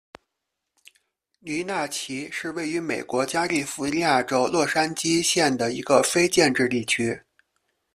尼纳奇是位于美国加利福尼亚州洛杉矶县的一个非建制地区。